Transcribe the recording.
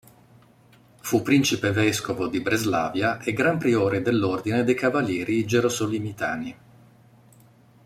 Fu principe-vescovo di Breslavia e gran priore dell'Ordine dei Cavalieri Gerosolimitani.